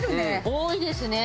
多いですね。